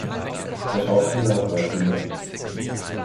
Der Schauspieler hat drei Kinder.